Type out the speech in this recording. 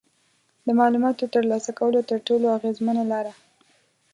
د معلوماتو ترلاسه کولو تر ټولو اغیزمنه لاره